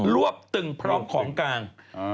รวบตึงพร้อมของกลาง